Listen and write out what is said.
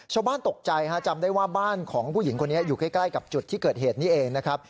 ชาวบ้านตกใจฮะจำได้ว่าบ้านของผู้หญิงคนนี้อยู่ใกล้กับจุดที่เกิดเหตุนี้เองนะครับ